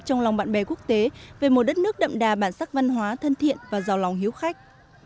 trong lòng bạn bè quốc tế về một đất nước đậm đà bản sắc văn hóa thân thiện và giàu lòng hiếu khách